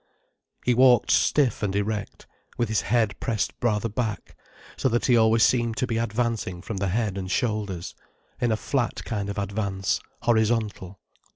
He walked stiff and erect, with his head pressed rather back, so that he always seemed to be advancing from the head and shoulders, in a flat kind of advance, horizontal.